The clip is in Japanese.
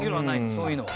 そういうのは。